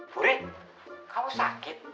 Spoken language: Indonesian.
puri kamu sakit